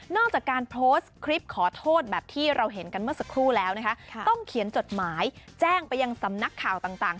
จากการโพสต์คลิปขอโทษแบบที่เราเห็นกันเมื่อสักครู่แล้วนะคะต้องเขียนจดหมายแจ้งไปยังสำนักข่าวต่าง